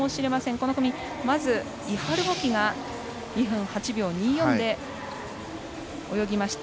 この組、まずイハル・ボキが２分８秒２４で泳ぎました。